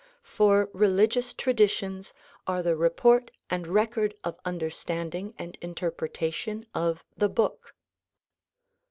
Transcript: For re ligious traditions are the report and record of understanding and interpretation of the Book.